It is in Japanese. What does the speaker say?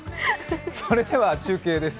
それでは中継です。